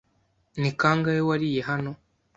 Ni kangahe wariye hano?